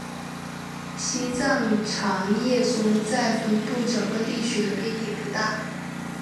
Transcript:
西藏长叶松在整个分布地区的变异不大。